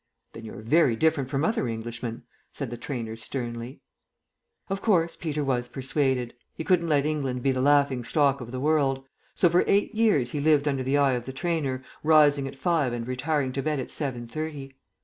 "Then you're very different from other Englishmen," said the trainer sternly. ..... Of course, Peter was persuaded; he couldn't let England be the laughing stock of the world. So for eight years he lived under the eye of the trainer, rising at five and retiring to bed at seven thirty.